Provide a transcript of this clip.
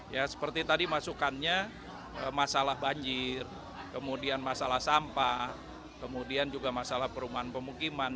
ya seperti tadi masukannya masalah banjir kemudian masalah sampah kemudian juga masalah perumahan pemukiman